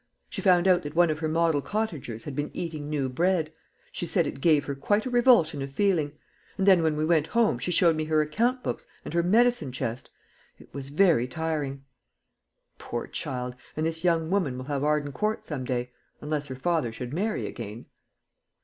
She found out that one of her model cottagers had been eating new bread. She said it gave her quite a revulsion of feeling. And then when we went home she showed me her account books and her medicine chest. It was very tiring." "Poor child! and this young woman will have Arden Court some day unless her father should marry again."